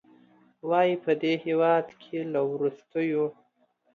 وايي، په دې هېواد کې له وروستیو